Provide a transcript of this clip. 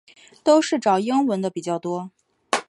都是找英文的比较多